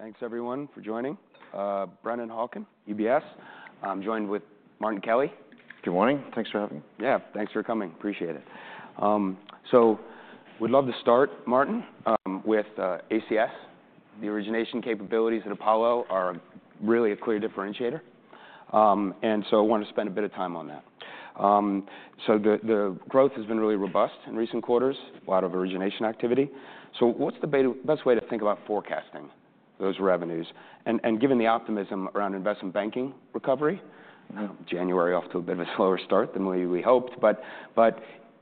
All right. Thanks, everyone, for joining. Brennan Hawken, UBS. I'm joined with Martin Kelly. Good morning. Thanks for having me. Yeah, thanks for coming. Appreciate it, so we'd love to start, Martin, with ACS. The origination capabilities at Apollo are really a clear differentiator, and so I wanted to spend a bit of time on that, so the growth has been really robust in recent quarters, a lot of origination activity, so what's the best way to think about forecasting those revenues? And given the optimism around investment banking recovery, January off to a bit of a slower start than we hoped, but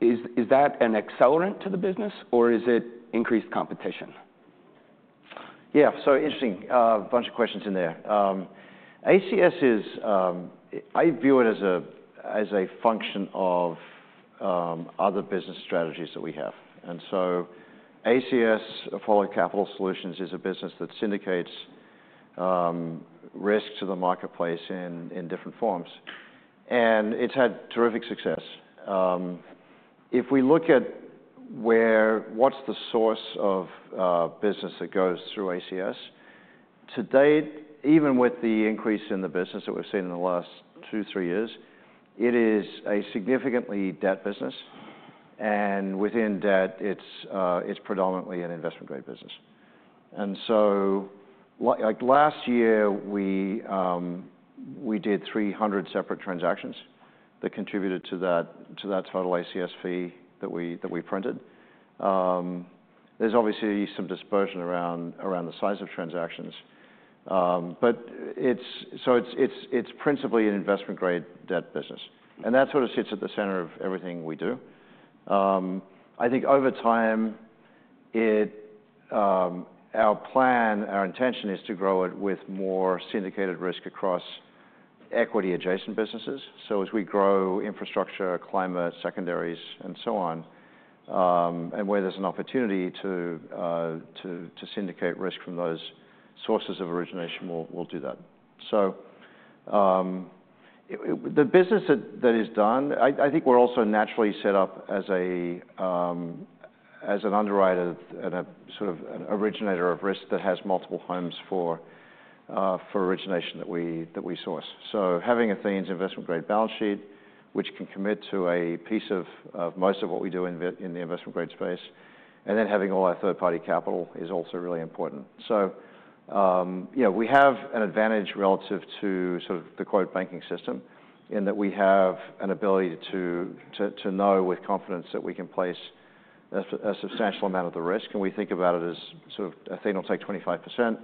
is that an accelerant to the business or is it increased competition? Yeah, so interesting bunch of questions in there. ACS is. I view it as a function of other business strategies that we have. And so ACS, Apollo Capital Solutions, is a business that syndicates risks to the marketplace in different forms. And it's had terrific success. If we look at where what's the source of business that goes through ACS? To date, even with the increase in the business that we've seen in the last two, three years, it is a significant debt business. And within debt, it's predominantly an investment-grade business. And so, like last year, we did 300 separate transactions that contributed to that total ACS fee that we printed. There's obviously some dispersion around the size of transactions. It's principally an investment-grade debt business. And that sort of sits at the center of everything we do. I think over time, it, our plan, our intention is to grow it with more syndicated risk across equity-adjacent businesses. So as we grow infrastructure, climate, secondaries, and so on, and where there's an opportunity to syndicate risk from those sources of origination, we'll do that. So, the business that is done, I think we're also naturally set up as an underwriter and a sort of an originator of risk that has multiple homes for origination that we source. So having Athene's investment-grade balance sheet, which can commit to a piece of most of what we do in the investment-grade space, and then having all our third-party capital is also really important. So, you know, we have an advantage relative to sort of the quote banking system in that we have an ability to know with confidence that we can place a substantial amount of the risk. And we think about it as sort of Athena will take 25%.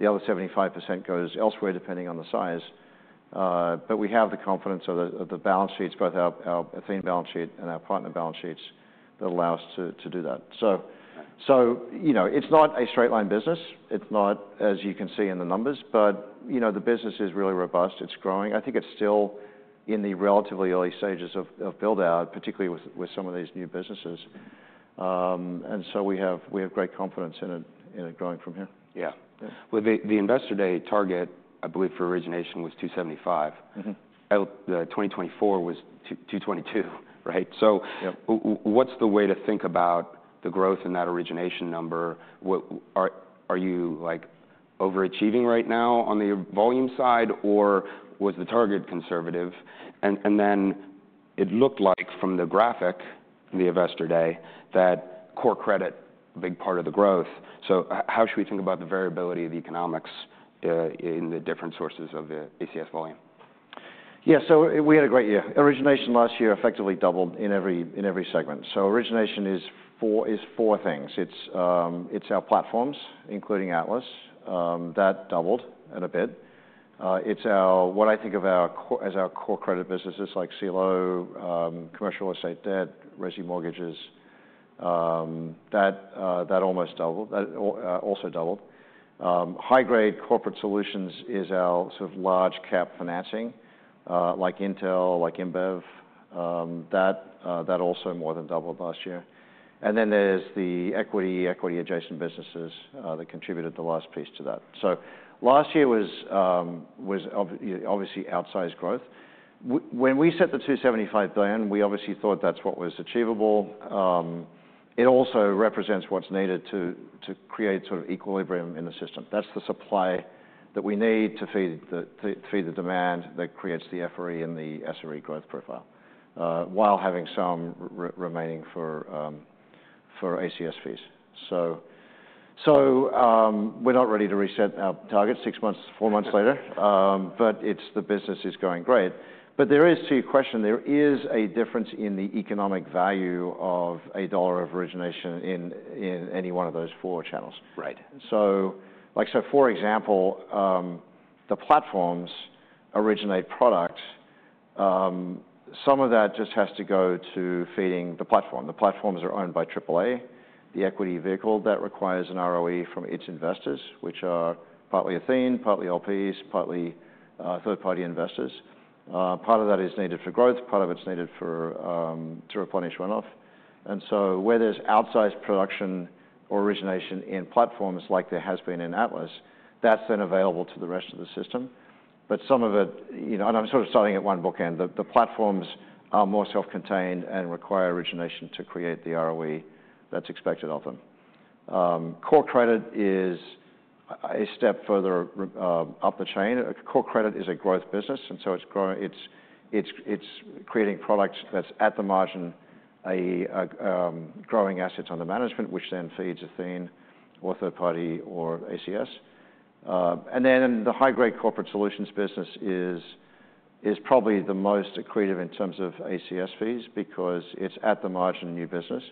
The other 75% goes elsewhere depending on the size. But we have the confidence of the balance sheets, both our Athena balance sheet and our partner balance sheets that allow us to do that. So, you know, it's not a straight-line business. It's not, as you can see in the numbers, but, you know, the business is really robust. It's growing. I think it's still in the relatively early stages of build-out, particularly with some of these new businesses. And so we have great confidence in it growing from here. Yeah. Well, the investor day target, I believe, for origination was 275. Mm-hmm. In 2024 was 2022, right? So. Yeah. What's the way to think about the growth in that origination number? What are you like overachieving right now on the volume side or was the target conservative? And then it looked like from the graphic in the investor day that core credit, a big part of the growth. So how should we think about the variability of the economics, in the different sources of the ACS volume? Yeah, so we had a great year. Origination last year effectively doubled in every, in every segment. So origination is four, is four things. It's, it's our platforms, including Atlas, that doubled and a bit. It's our, what I think of as our core credit businesses like CLO, commercial real estate debt, residential mortgages, that, that almost doubled, that, also doubled. High-grade corporate solutions is our sort of large-cap financing, like Intel, like InBev, that, that also more than doubled last year. And then there's the equity, equity-adjacent businesses, that contributed the last piece to that. So last year was, was obviously outsized growth. When we set the $275 billion, we obviously thought that's what was achievable. It also represents what's needed to, to create sort of equilibrium in the system. That's the supply that we need to feed the demand that creates the FRE and the SRE growth profile, while having some reinvestment for ACS fees. So, we're not ready to reset our target six months, four months later, but the business is going great. But to your question, there is a difference in the economic value of a dollar of origination in any one of those four channels. Right. So, like, so for example, the platforms originate products. Some of that just has to go to feeding the platform. The platforms are owned by AAA. The equity vehicle that requires an ROE from its investors, which are partly Athena, partly LPs, partly third-party investors. Part of that is needed for growth. Part of it's needed for to replenish runoff. And so where there's outsized production or origination in platforms like there has been in Atlas, that's then available to the rest of the system. But some of it, you know, and I'm sort of starting at one bookend, the platforms are more self-contained and require origination to create the ROE that's expected of them. Core credit is a step further up the chain. Core credit is a growth business. It's creating products that's at the margin, i.e., growing assets under management, which then feeds Athena or third-party or ACS. And then the high-grade corporate solutions business is probably the most accretive in terms of ACS fees because it's at the margin new business.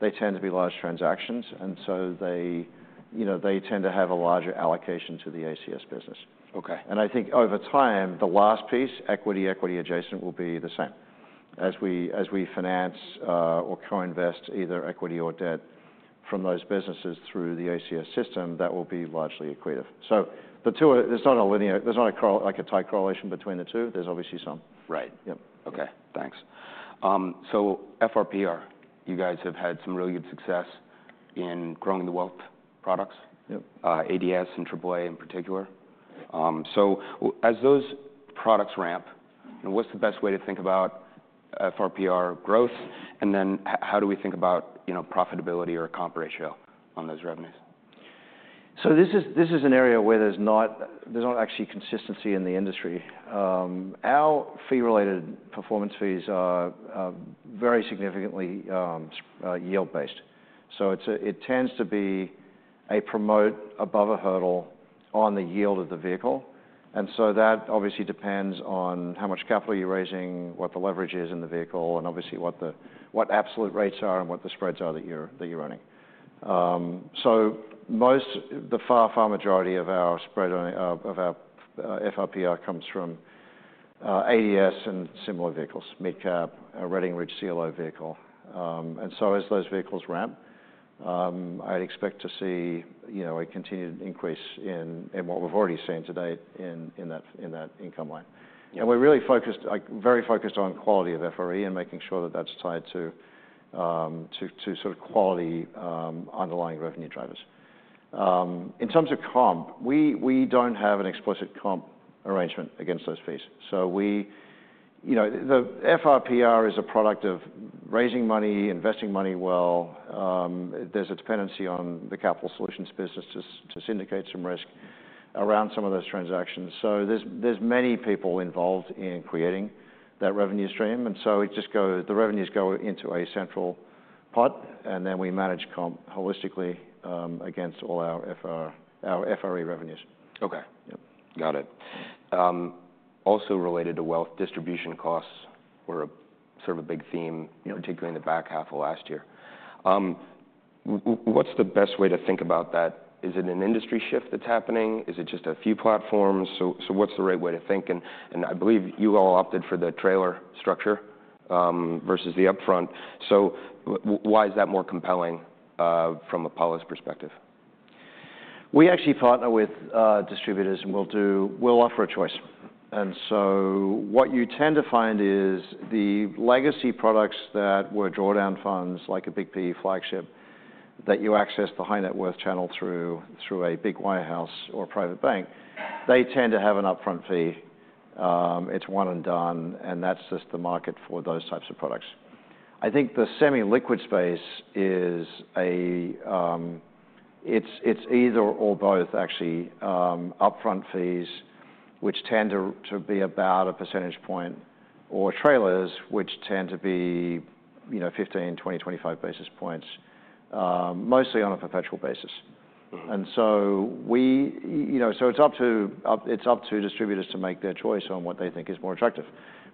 They tend to be large transactions. And so they, you know, they tend to have a larger allocation to the ACS business. Okay. I think over time, the last piece, equity, equity-adjacent, will be the same. As we, as we finance, or co-invest either equity or debt from those businesses through the ACS system, that will be largely accretive. The two are, there's not a linear, there's not a correl, like a tight correlation between the two. There's obviously some. Right. Yep. Okay. Thanks. So FRPR, you guys have had some really good success in growing the wealth products. Yep. ADS and AAA in particular. So as those products ramp, you know, what's the best way to think about FRPR growth? And then how do we think about, you know, profitability or comp ratio on those revenues? This is an area where there's not actually consistency in the industry. Our fee-related performance fees are very significantly yield-based. So it tends to be a promote above a hurdle on the yield of the vehicle. And so that obviously depends on how much capital you're raising, what the leverage is in the vehicle, and obviously what absolute rates are and what the spreads are that you're running. So the far majority of our spread of our FRPR comes from ADS and similar vehicles, mid-cap, a Redding Ridge CLO vehicle. And so as those vehicles ramp, I'd expect to see, you know, a continued increase in what we've already seen to date in that income line. Yeah. And we're really focused, like, very focused on quality of FRE and making sure that that's tied to sort of quality underlying revenue drivers. In terms of comp, we don't have an explicit comp arrangement against those fees. So, you know, the FRPR is a product of raising money, investing money well. There's a dependency on the capital solutions business to syndicate some risk around some of those transactions. So there's many people involved in creating that revenue stream. And so it just goes, the revenues go into a central pot, and then we manage comp holistically against all our FRE revenues. Okay. Yep. Got it. Also related to wealth distribution costs were a sort of a big theme. Yeah. Particularly in the back half of last year, what's the best way to think about that? Is it an industry shift that's happening? Is it just a few platforms? So, what's the right way to think? And, I believe you all opted for the trailer structure, versus the upfront. So why is that more compelling, from Apollo's perspective? We actually partner with distributors and we'll offer a choice. And so what you tend to find is the legacy products that were drawdown funds, like a Big P flagship that you access the high net worth channel through a big wirehouse or private bank, they tend to have an upfront fee. It's one and done, and that's just the market for those types of products. I think the semi-liquid space is a, it's either or both actually, upfront fees, which tend to be about a percentage point, or trailers, which tend to be 15, 20, 25 basis points, mostly on a perpetual basis. Mm-hmm. It's up to distributors to make their choice on what they think is more attractive.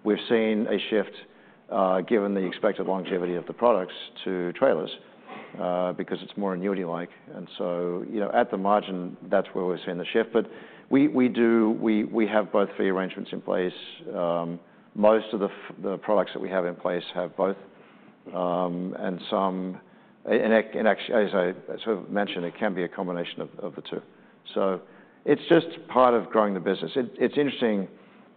We've seen a shift, given the expected longevity of the products to trailers, because it's more annuity-like. You know, at the margin, that's where we've seen the shift. We have both fee arrangements in place. Most of the products that we have in place have both, and some actually, as I sort of mentioned, it can be a combination of the two. It's just part of growing the business. It's interesting,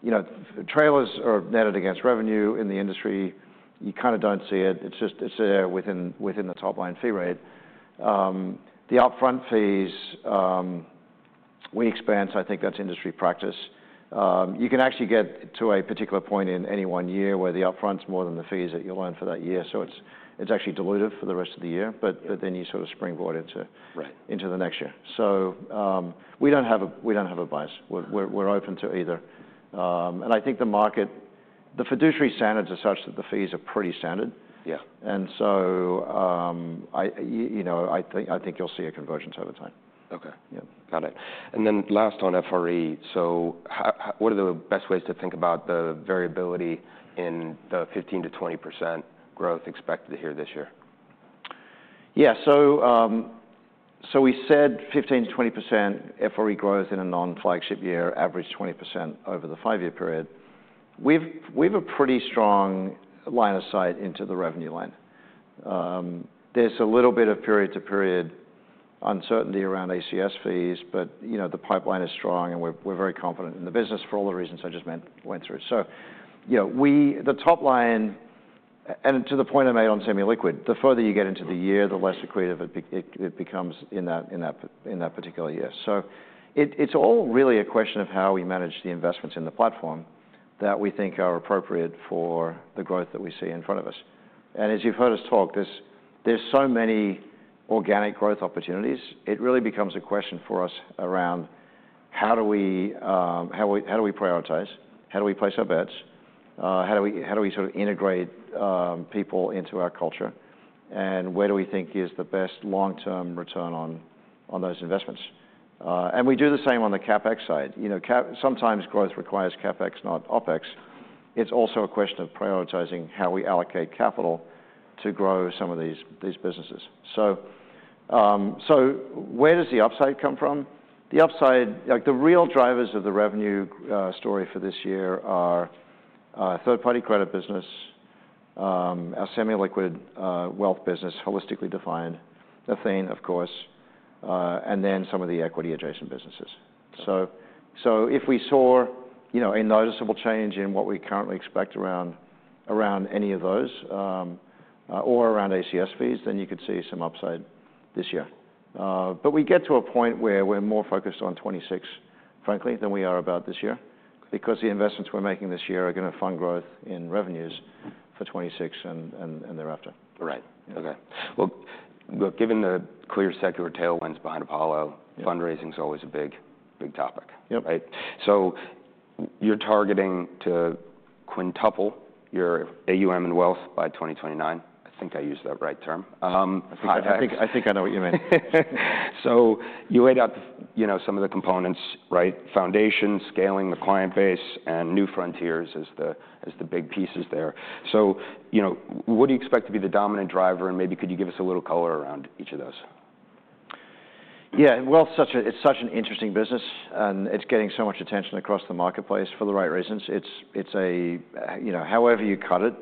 you know. Trailers are netted against revenue in the industry. You kind of don't see it. It's just there within the top line fee rate. The upfront fees we expense. I think that's industry practice. You can actually get to a particular point in any one year where the upfront's more than the fees that you'll earn for that year. So it's, it's actually dilutive for the rest of the year, but, but then you sort of springboard into. Right. Into the next year, so we don't have a bias. We're open to either, and I think the market, the fiduciary standards are such that the fees are pretty standard. Yeah. And so, I, you know, I think, I think you'll see a convergence over time. Okay. Yep. Got it. And then last on FRE. So how, what are the best ways to think about the variability in the 15%-20% growth expected here this year? Yeah. So we said 15%-20% FRE growth in a non-flagship year, average 20% over the five-year period. We have a pretty strong line of sight into the revenue line. There's a little bit of period-to-period uncertainty around ACS fees, but you know, the pipeline is strong and we're very confident in the business for all the reasons I just mentioned, went through. So you know, we, the top line, and to the point I made on semi-liquid, the further you get into the year, the less accretive it becomes in that particular year. So it's all really a question of how we manage the investments in the platform that we think are appropriate for the growth that we see in front of us. And as you've heard us talk, there's so many organic growth opportunities. It really becomes a question for us around how do we prioritize, how do we place our bets, how do we sort of integrate people into our culture and where do we think is the best long-term return on those investments, and we do the same on the CapEx side. You know, sometimes growth requires CapEx, not OpEx. It's also a question of prioritizing how we allocate capital to grow some of these businesses. So where does the upside come from? The upside, like the real drivers of the revenue story for this year are third-party credit business, our semi-liquid wealth business, holistically defined, Athene, of course, and then some of the equity-adjacent businesses. If we saw, you know, a noticeable change in what we currently expect around any of those, or around ACS fees, then you could see some upside this year. But we get to a point where we're more focused on 2026, frankly, than we are about this year because the investments we're making this year are going to fund growth in revenues for 2026 and thereafter. Right. Okay. Well, given the clear secular tailwinds behind Apollo. Yeah. Fundraising's always a big, big topic. Yep. Right? So you're targeting to quintuple your AUM and wealth by 2029. I think I used that right term. I think I know what you mean. So you laid out the, you know, some of the components, right? Foundation, scaling the client base, and new frontiers as the big pieces there. So, you know, what do you expect to be the dominant driver? And maybe could you give us a little color around each of those? Yeah. Well, it's such an interesting business, and it's getting so much attention across the marketplace for the right reasons. It's a, you know, however you cut it,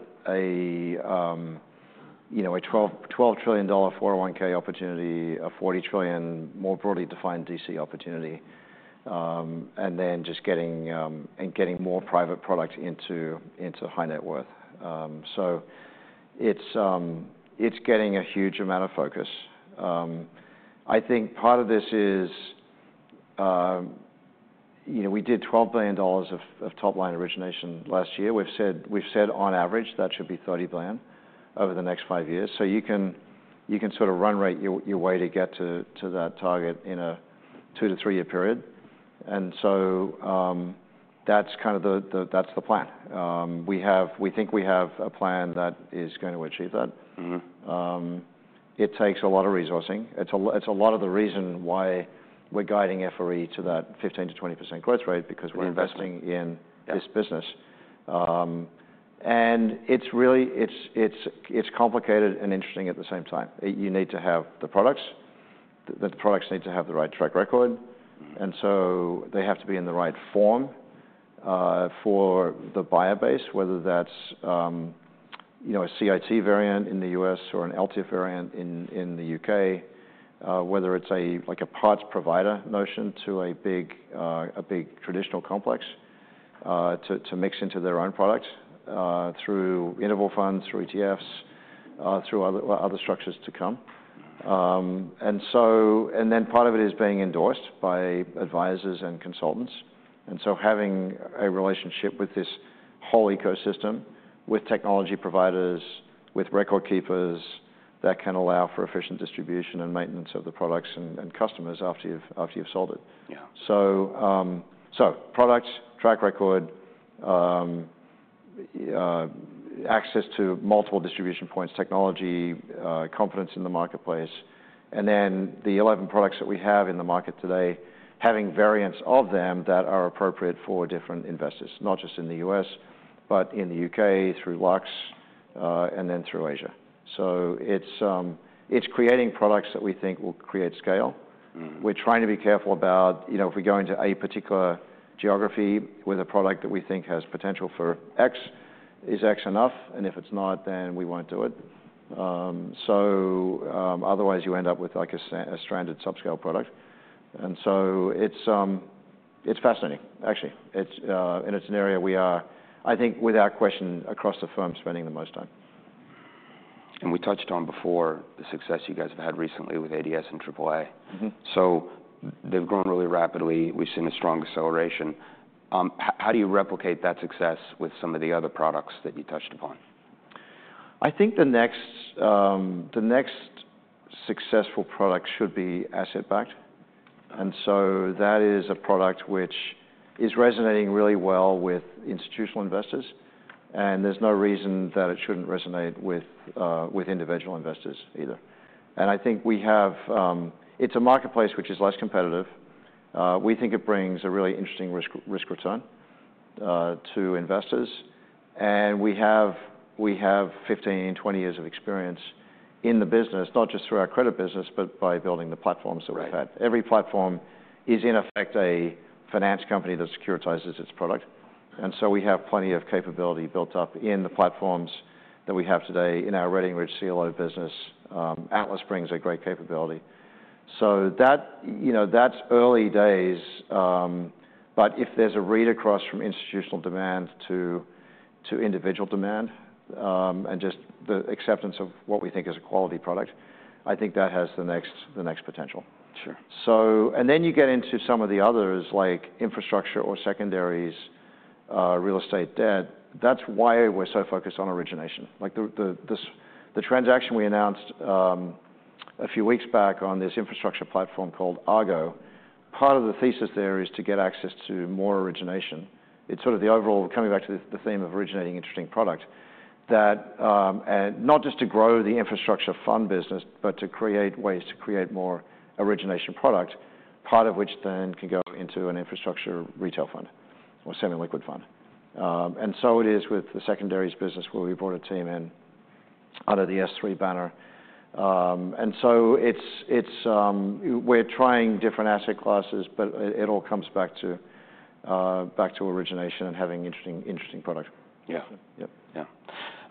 a $12 trillion 401(k) opportunity, a $40 trillion, more broadly defined DC opportunity, and then just getting more private products into high net worth. It's getting a huge amount of focus. I think part of this is, you know, we did $12 billion of top line origination last year. We've said on average that should be $30 billion over the next five years. You can sort of run rate your way to get to that target in a two to three-year period. That's kind of the plan. We have, we think we have a plan that is going to achieve that. Mm-hmm. It takes a lot of resourcing. It's a lot, it's a lot of the reason why we're guiding FRE to that 15%-20% growth rate because we're investing in this business. And it's really, it's complicated and interesting at the same time. You need to have the products, the products need to have the right track record. Mm-hmm. And so they have to be in the right form for the buyer base, whether that's, you know, a CIT variant in the U.S. or an LTIF variant in the U.K., whether it's like a white-label solution to a big traditional platform to mix into their own products, through interval funds, through ETFs, through other structures to come. And then part of it is being endorsed by advisors and consultants. And so having a relationship with this whole ecosystem, with technology providers, with record keepers that can allow for efficient distribution and maintenance of the products and customers after you've sold it. Yeah. So, products, track record, access to multiple distribution points, technology, competence in the marketplace, and then the 11 products that we have in the market today, having variants of them that are appropriate for different investors, not just in the U.S., but in the U.K. through Lux, and then through Asia. So it's creating products that we think will create scale. Mm-hmm. We're trying to be careful about, you know, if we go into a particular geography with a product that we think has potential for X, is X enough? And if it's not, then we won't do it. So, otherwise you end up with like a stranded subscale product. And so it's fascinating, actually. It's an area we are, I think, without question across the firm spending the most time. We touched on before the success you guys have had recently with ADS and AAA. Mm-hmm. So they've grown really rapidly. We've seen a strong acceleration. How do you replicate that success with some of the other products that you touched upon? I think the next successful product should be asset-backed. And so that is a product which is resonating really well with institutional investors, and there's no reason that it shouldn't resonate with individual investors either. And I think we have; it's a marketplace which is less competitive. We think it brings a really interesting risk return to investors. And we have 15-20 years of experience in the business, not just through our credit business, but by building the platforms that we've had. Every platform is in effect a finance company that securitizes its product. And so we have plenty of capability built up in the platforms that we have today in our Redding Ridge CLO business. Atlas brings a great capability. So that, you know, that's early days. But if there's a read across from institutional demand to individual demand, and just the acceptance of what we think is a quality product, I think that has the next potential. Sure. And then you get into some of the others, like infrastructure or secondaries, real estate debt. That's why we're so focused on origination. Like the transaction we announced a few weeks back on this infrastructure platform called Argo, part of the thesis there is to get access to more origination. It's sort of the overall, coming back to the theme of originating interesting product that, and not just to grow the infrastructure fund business, but to create ways to create more origination product, part of which then can go into an infrastructure retail fund or semi-liquid fund. And so it is with the secondaries business where we brought a team in under the S3 banner. And so it's, we're trying different asset classes, but it all comes back to origination and having interesting product. Yeah. Yep. Yeah.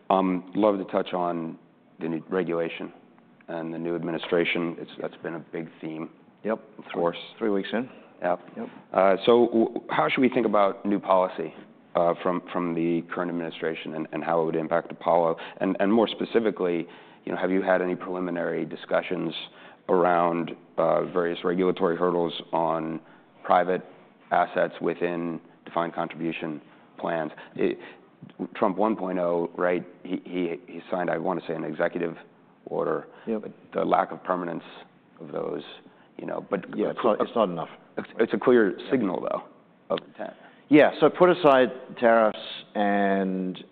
Love to touch on the new regulation and the new administration. That's been a big theme. Yep. Of course. Three weeks in. Yep. Yep. So how should we think about new policy from the current administration and how it would impact Apollo? And more specifically, you know, have you had any preliminary discussions around various regulatory hurdles on private assets within defined contribution plans? It's Trump 1.0, right? He signed, I want to say, an executive order. Yep. The lack of permanence of those, you know, but. Yeah. It's not, it's not enough. It's a clear signal though of. Yeah, so put aside tariffs and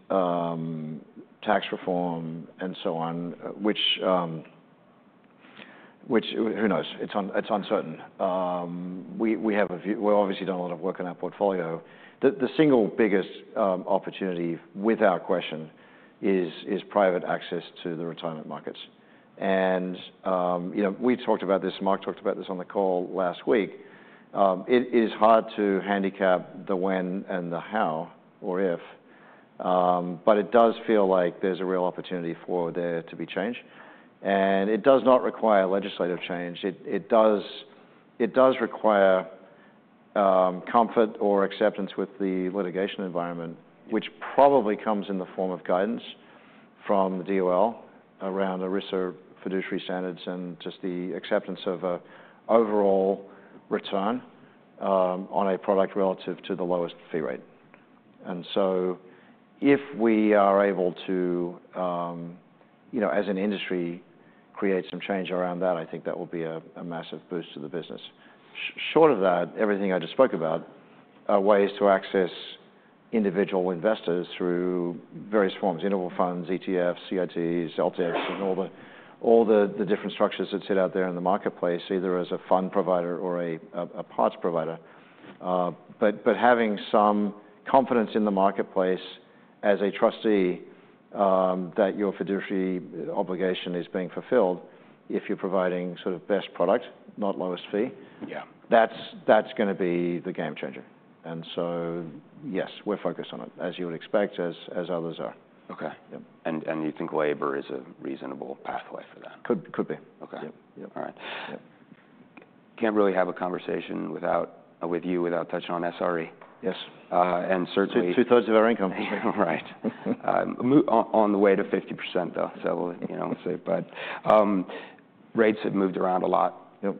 tax reform and so on, which who knows? It's uncertain. We have a view. We've obviously done a lot of work in our portfolio. The single biggest opportunity without question is private access to the retirement markets, and you know, we talked about this. Mark talked about this on the call last week. It is hard to handicap the when and the how or if, but it does feel like there's a real opportunity for there to be change. It does not require legislative change. It does require comfort or acceptance with the litigation environment, which probably comes in the form of guidance from the DOL around ERISA fiduciary standards and just the acceptance of an overall return on a product relative to the lowest fee rate. And so if we are able to, you know, as an industry create some change around that, I think that will be a massive boost to the business. Short of that, everything I just spoke about are ways to access individual investors through various forms, interval funds, ETFs, CITs, LTIFs, and all the different structures that sit out there in the marketplace, either as a fund provider or a parts provider. But having some confidence in the marketplace as a trustee, that your fiduciary obligation is being fulfilled, if you're providing sort of best product, not lowest fee. Yeah. That's going to be the game changer. And so yes, we're focused on it, as you would expect, as others are. Okay. Yep. You think labor is a reasonable pathway for that? Could be. Okay. Yep. All right. Yep. Can't really have a conversation with you without touching on SRE. Yes. and certainly. Two-thirds of our income. Right. Move on, on the way to 50% though, so we'll, you know, we'll see. But, rates have moved around a lot. Yep.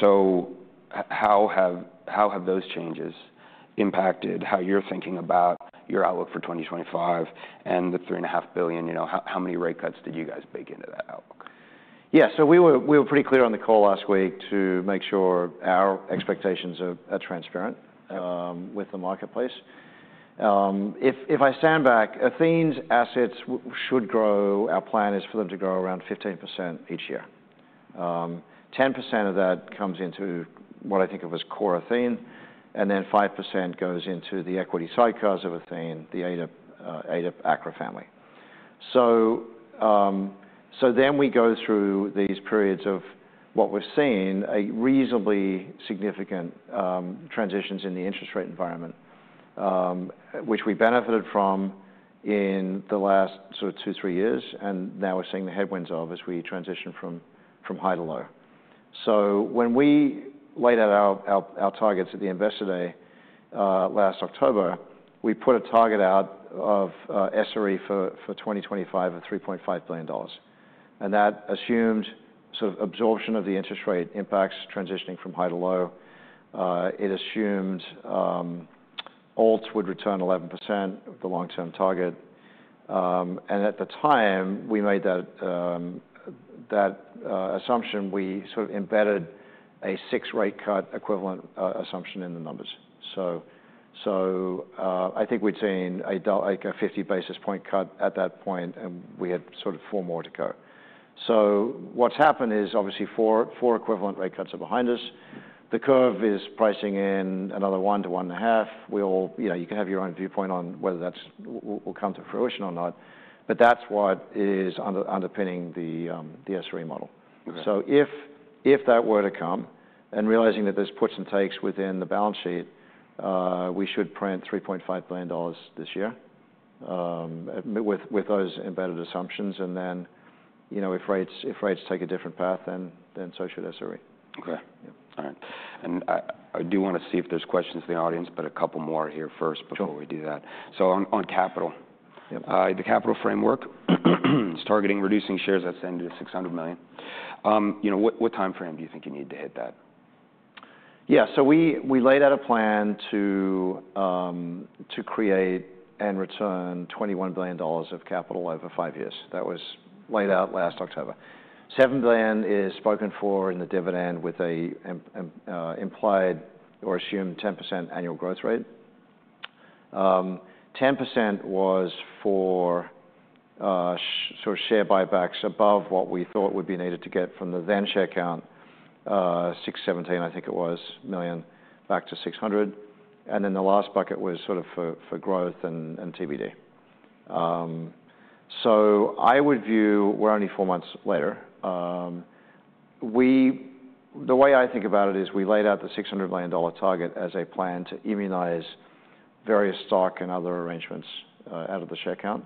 So how have those changes impacted how you're thinking about your outlook for 2025 and the $3.5 billion, you know, how many rate cuts did you guys bake into that outlook? Yeah. So we were pretty clear on the call last week to make sure our expectations are transparent with the marketplace. If I stand back, Athena's assets should grow. Our plan is for them to grow around 15% each year. 10% of that comes into what I think of as core Athena, and then 5% goes into the equity side 'cause of Athena, the ADIP ACRA family. So then we go through these periods of what we've seen, a reasonably significant transitions in the interest rate environment, which we benefited from in the last sort of two, three years. And now we're seeing the headwinds of as we transition from high to low. So when we laid out our targets at the investor day last October, we put a target out of SRE for 2025 of $3.5 billion. That assumed sort of absorption of the interest rate impacts transitioning from high to low. It assumed alt would return 11%, the long-term target. At the time we made that assumption, we sort of embedded a six rate cut equivalent assumption in the numbers. I think we'd seen a like a 50 basis points cut at that point, and we had sort of four more to go. What's happened is obviously four equivalent rate cuts are behind us. The curve is pricing in another one to one and a half. Well, you know, you can have your own viewpoint on whether that's will come to fruition or not, but that's what is underpinning the SRE model. Okay. So if that were to come and realizing that there's puts and takes within the balance sheet, we should print $3.5 billion this year, with those embedded assumptions. And then, you know, if rates take a different path, then so should SRE. Okay. Yep. All right, and I do want to see if there's questions in the audience, but a couple more here first before we do that. Sure. So, on capital. Yep. The capital framework is targeting reducing shares that's intended at 600 million. You know, what timeframe do you think you need to hit that? Yeah. So we laid out a plan to create and return $21 billion of capital over five years. That was laid out last October. $7 billion is spoken for in the dividend with an implied or assumed 10% annual growth rate. 10% was for sort of share buybacks above what we thought would be needed to get from the then share count, 617 million, I think it was, back to 600. And then the last bucket was sort of for growth and TBD, so I would say we're only four months later. The way I think about it is we laid out the 600 million target as a plan to immunize various stock and other arrangements out of the share count.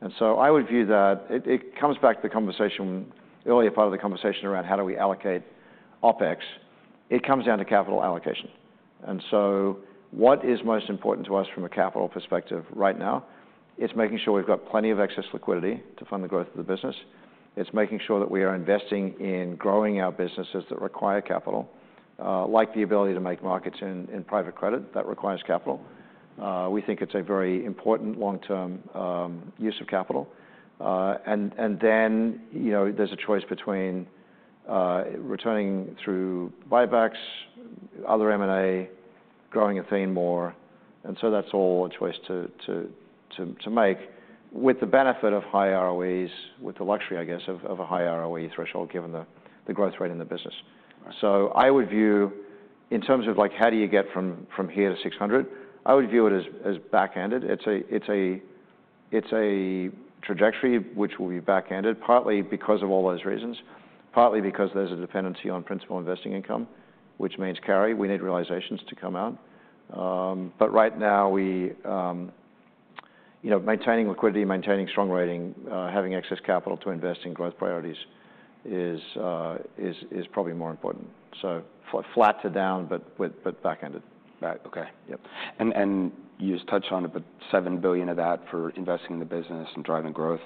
And so I would view that it comes back to the conversation earlier part of the conversation around how do we allocate OpEx. It comes down to capital allocation. What is most important to us from a capital perspective right now? It's making sure we've got plenty of excess liquidity to fund the growth of the business. It's making sure that we are investing in growing our businesses that require capital, like the ability to make markets in private credit that requires capital. We think it's a very important long-term use of capital. Then, you know, there's a choice between returning through buybacks, other M&A, growing Athene more. That's all a choice to make with the benefit of high ROEs with the luxury, I guess, of a high ROE threshold given the growth rate in the business. Right. So I would view in terms of like how do you get from here to 600. I would view it as back-ended. It's a trajectory which will be back-ended, partly because of all those reasons, partly because there's a dependency on principal investing income, which means carry. We need realizations to come out. But right now we, you know, maintaining liquidity, maintaining strong rating, having excess capital to invest in growth priorities is probably more important. So flat to down, but with back-ended. Back. Yep. Okay. Yep. You just touched on it, but $7 billion of that for investing in the business and driving growth.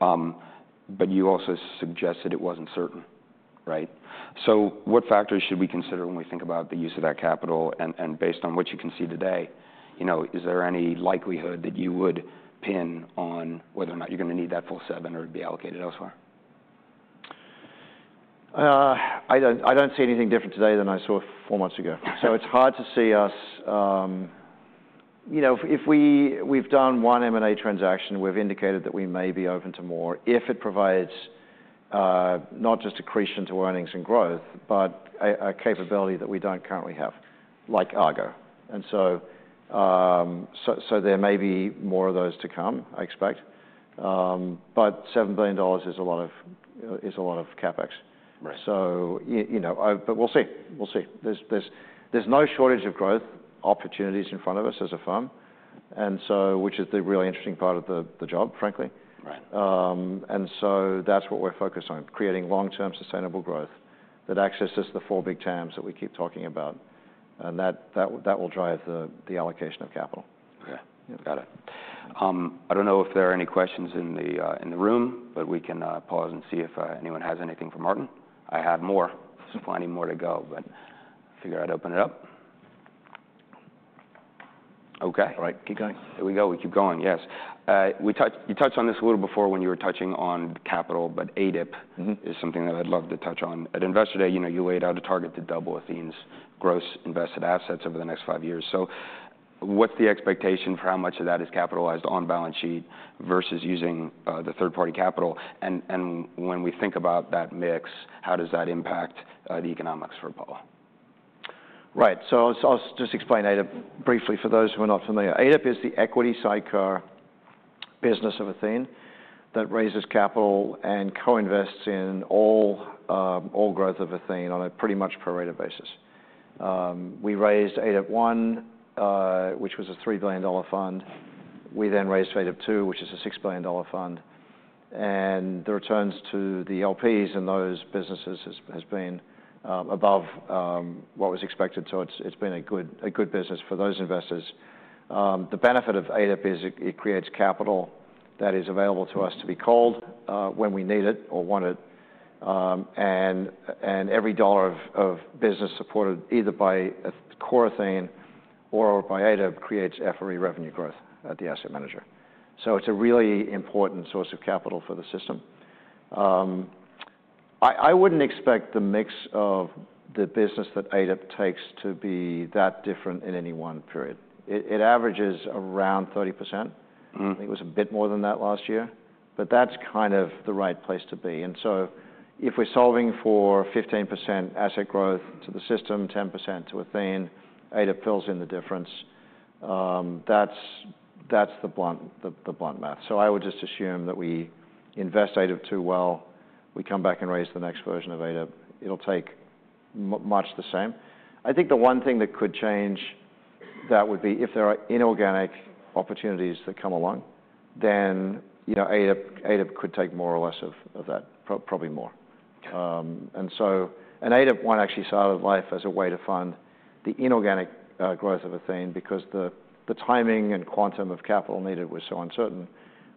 But you also suggested it wasn't certain, right? So what factors should we consider when we think about the use of that capital and, based on what you can see today, you know, is there any likelihood that you would pin on whether or not you're going to need that full seven or be allocated elsewhere? I don't see anything different today than I saw four months ago. So it's hard to see us, you know, if we've done one M&A transaction, we've indicated that we may be open to more if it provides, not just accretion to earnings and growth, but a capability that we don't currently have like Argo. And so there may be more of those to come, I expect. But $7 billion is a lot of CapEx. Right. So, you know, but we'll see. We'll see. There's no shortage of growth opportunities in front of us as a firm. And so, which is the really interesting part of the job, frankly. Right. And so that's what we're focused on, creating long-term sustainable growth that accesses the four big TAMs that we keep talking about. And that will drive the allocation of capital. Okay. Yep. Got it. I don't know if there are any questions in the, in the room, but we can, pause and see if, anyone has anything for Martin. I have more. I'm just finding more to go, but figure I'd open it up. Okay. All right. Keep going. Here we go. We keep going. Yes. We touch, you touched on this a little before when you were touching on capital, but ADIP. Mm-hmm. It's something that I'd love to touch on. At investor day, you know, you laid out a target to double Athene's gross invested assets over the next five years. So what's the expectation for how much of that is capitalized on balance sheet versus using third-party capital? And when we think about that mix, how does that impact the economics for Apollo? Right. So I'll just explain ADIP briefly for those who are not familiar. ADIP is the equity sidecar business of Athena that raises capital and co-invests in all growth of Athena on a pretty much prorated basis. We raised ADIP 1, which was a $3 billion fund. We then raised ADIP 2, which is a $6 billion fund. And the returns to the LPs and those businesses has been above what was expected. So it's been a good business for those investors. The benefit of ADIP is it creates capital that is available to us to be called when we need it or want it. And every dollar of business supported either by a core Athena or by ADIP creates FRE revenue growth at the asset manager. So it's a really important source of capital for the system. I wouldn't expect the mix of the business that ADIP takes to be that different in any one period. It averages around 30%. Mm-hmm. I think it was a bit more than that last year, but that's kind of the right place to be. And so if we're solving for 15% asset growth to the system, 10% to Athena, ADIP fills in the difference. That's the blunt math. So I would just assume that we invest ADIP too well, we come back and raise the next version of ADIP, it'll take much the same. I think the one thing that could change that would be if there are inorganic opportunities that come along, then you know, ADIP could take more or less of that, probably more. Okay. ADIP 1 actually started life as a way to fund the inorganic growth of Athena because the timing and quantum of capital needed was so uncertain.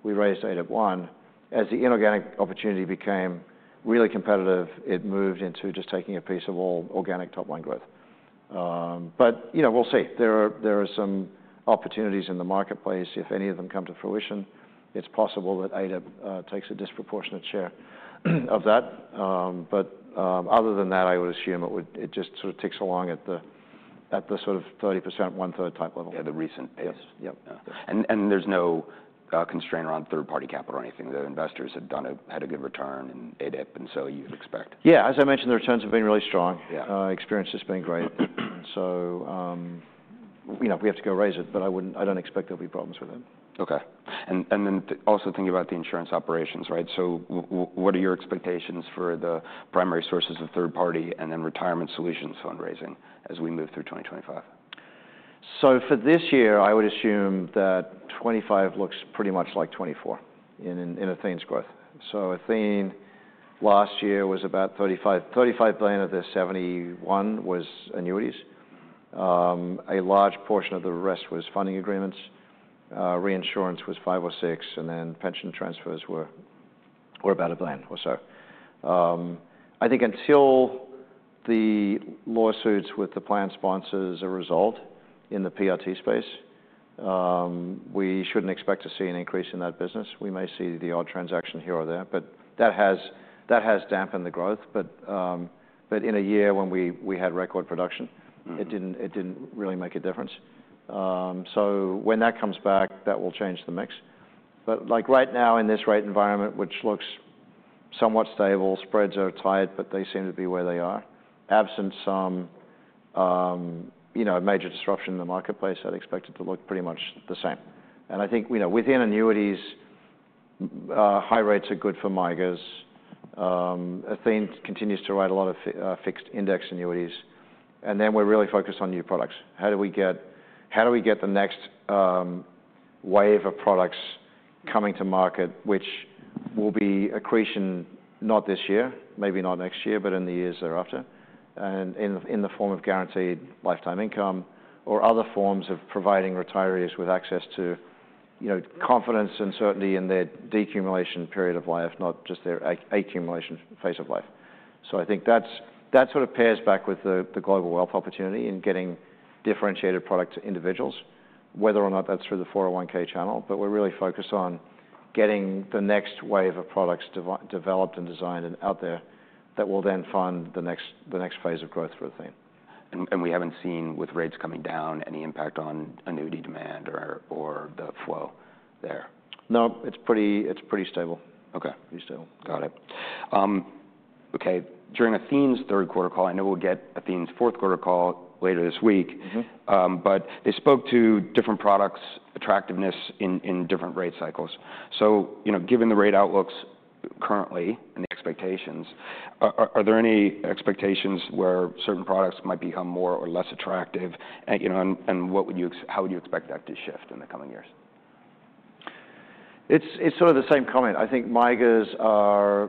We raised ADIP 1. As the inorganic opportunity became really competitive, it moved into just taking a piece of all organic top-line growth, but you know, we'll see. There are some opportunities in the marketplace. If any of them come to fruition, it's possible that ADIP takes a disproportionate share of that, but other than that, I would assume it would just sort of ticks along at the sort of 30%, one-third type level. At a recent pace. Yes. Yep. And there's no constraint around third-party capital or anything. The investors have had a good return in ADIP, and so you'd expect. Yeah. As I mentioned, the returns have been really strong. Yeah. Experience has been great. And so, you know, we have to go raise it, but I wouldn't. I don't expect there'll be problems with it. Okay. And then also thinking about the insurance operations, right? So what are your expectations for the primary sources of third-party and then retirement solutions fundraising as we move through 2025? So for this year, I would assume that 2025 looks pretty much like 2024 in Athena's growth. So Athena last year was about $35 billion of their $71 billion was annuities. A large portion of the rest was funding agreements. Reinsurance was $506 million, and then pension transfers were about $1 billion or so. I think until the lawsuits with the plan sponsors are resolved in the PRT space, we shouldn't expect to see an increase in that business. We may see the odd transaction here or there, but that has dampened the growth. But in a year when we had record production. Mm-hmm. It didn't really make a difference. So when that comes back, that will change the mix. But like right now in this rate environment, which looks somewhat stable, spreads are tight, but they seem to be where they are. Absent some, you know, major disruption in the marketplace, I'd expect it to look pretty much the same. And I think, you know, within annuities, high rates are good for MIGAs. Athena continues to write a lot of fixed index annuities. And then we're really focused on new products. How do we get the next wave of products coming to market, which will be accretion, not this year, maybe not next year, but in the years thereafter, and in the form of guaranteed lifetime income or other forms of providing retirees with access to, you know, confidence and certainty in their decumulation period of life, not just their accumulation phase of life. So I think that's that sort of pairs back with the global wealth opportunity in getting differentiated product to individuals, whether or not that's through the 401(k) channel. But we're really focused on getting the next wave of products developed and designed and out there that will then fund the next phase of growth for Athene. And we haven't seen with rates coming down any impact on annuity demand or the flow there. No, it's pretty stable. Okay. Pretty stable. Got it. Okay. During Athene's third quarter call, I know we'll get Athene's fourth quarter call later this week. Mm-hmm. But they spoke to different products, attractiveness in different rate cycles. So, you know, given the rate outlooks currently and the expectations, are there any expectations where certain products might become more or less attractive? And, you know, and what would you, how would you expect that to shift in the coming years? It's sort of the same comment. I think MIGAs are,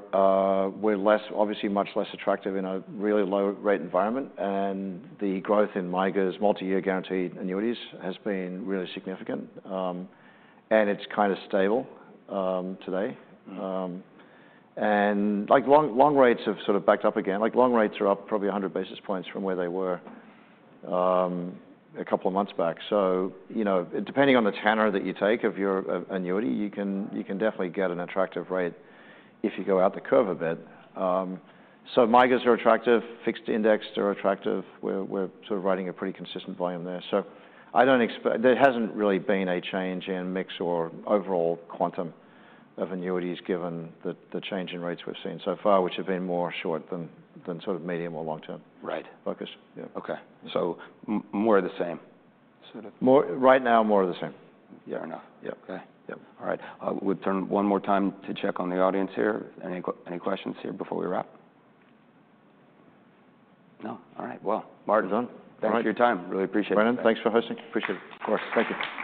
were less, obviously much less attractive in a really low rate environment. And the growth in MIGAs multi-year guaranteed annuities has been really significant. And it's kind of stable today. Mm-hmm. Like long, long rates have sort of backed up again. Like long rates are up probably 100 basis points from where they were, a couple of months back. So, you know, depending on the tenor that you take of your annuity, you can definitely get an attractive rate if you go out the curve a bit. So MIGAs are attractive. Fixed index are attractive. We're sort of writing a pretty consistent volume there. So I don't expect there has been really been a change in mix or overall quantum of annuities given the change in rates we've seen so far, which have been more short than sort of medium or long-term. Right. Focus. Yeah. Okay. So more of the same. Sort of. More right now, more of the same. Fair enough. Yep. Okay. Yep. All right. We'll turn one more time to check on the audience here. Any questions here before we wrap? No? All right. Well, Martin's on. All right. Thanks for your time. Really appreciate it. Brendan, thanks for hosting. Appreciate it. Of course. Thank you.